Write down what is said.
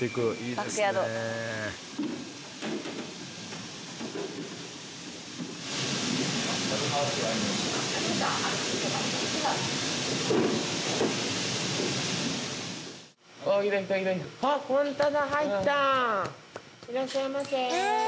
いらっしゃいませ。